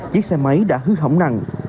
chiếc xe máy đã hư hỏng nặng